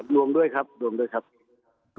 รวมด้วยครับรวมด้วยครับ